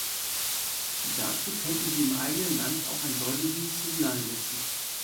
Dazu könnten Sie im eigenen Land auch ein deutliches Signal setzen.